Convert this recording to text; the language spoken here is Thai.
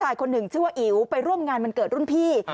คนหนึ่งชื่อว่าอิ๋วไปร่วมงานวันเกิดรุ่นพี่